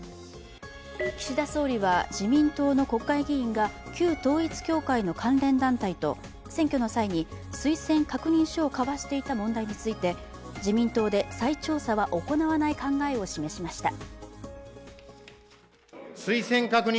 岸田総理は自民党の国会議員が旧統一教会の彼団体と選挙の際に推薦確認書を交わしていた問題について自民党で再調査は行わない考えを示しました。